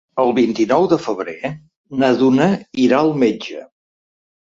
El vint-i-nou de febrer na Duna irà al metge.